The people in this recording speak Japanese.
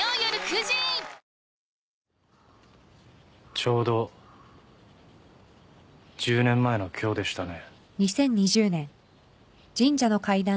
ちょうど１０年前の今日でしたね。